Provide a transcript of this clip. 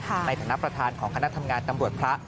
ในฐานะประธานของคณะทำงานตำรวจพระ